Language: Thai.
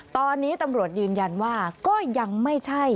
ตอนนี้ตำรวจยืนยันว่าก็ยังไม่ใช่